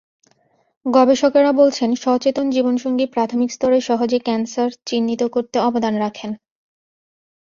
গবেষকেরা বলছেন, সচেতন জীবনসঙ্গী প্রাথমিক স্তরে সহজেই ক্যানসার চিহ্নিত করতে অবদান রাখেন।